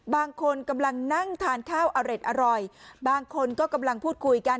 บางคนกำลังนั่งทานข้าวอร่อยบางคนก็กำลังพูดคุยกัน